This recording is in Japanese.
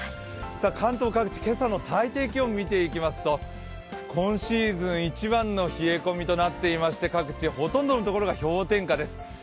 関東各地、今朝の最低気温見ていきますと今シーズン一番の冷え込みとなっていまして、各地ほとんどのところが氷点下です。